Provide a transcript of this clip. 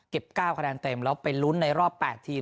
๙คะแนนเต็มแล้วไปลุ้นในรอบ๘ทีม